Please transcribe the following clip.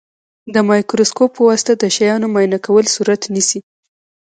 د مایکروسکوپ په واسطه د شیانو معاینه کول صورت نیسي.